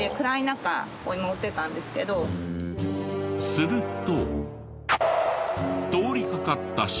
すると。